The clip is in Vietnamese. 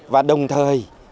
và đồng thời